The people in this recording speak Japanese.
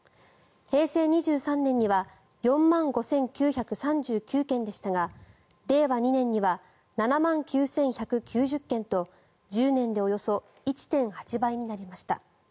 平成２３年には４万５９３９件でしたが令和２年には７万９１９０件と１０年でおよそ１．８倍になりました。